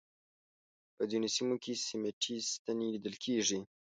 په ځینو سیمو کې سیمټي ستنې لیدل کېږي.